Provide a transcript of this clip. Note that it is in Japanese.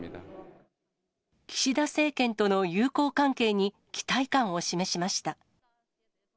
岸田政権との友好関係に期待感を示しました。